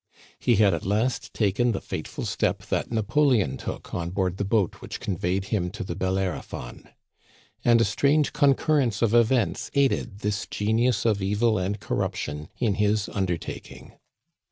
He had at last taken the fateful step that Napoleon took on board the boat which conveyed him to the Bellerophon. And a strange concurrence of events aided this genius of evil and corruption in his undertaking.